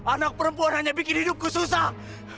anak perempuan hanya bikin hidupku susah